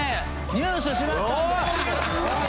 入手しましたんで。